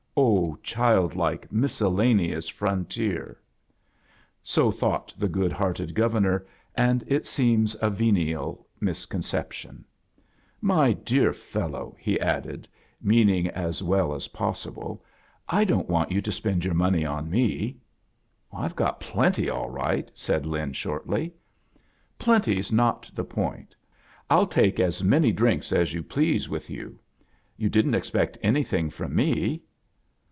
Ob, childlike, miscellaaeous Frontierl So thof^ht the good hearted Governor; and it seems a venial misconception. "My dear fellow," he added, meaning as well '/ A JOURNEV IN SEARCH OF CHRISTMAS as possibfe, "I dtm't want you to spend yocff money on me." 'Tve got plenty aU rig^t»" said Lin, shortfy. "Plenty's not the point. Fll take as many drinks as you please inth you. You didn't expect anything from me?"